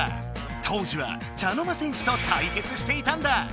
当時は茶の間戦士と対決していたんだ！